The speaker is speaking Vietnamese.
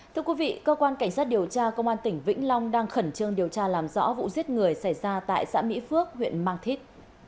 thưa quý vị cơ quan cảnh sát điều tra công an tỉnh vĩnh long đang khẩn trương điều tra làm rõ vụ giết người xảy ra tại xã mỹ phước huyện mang thít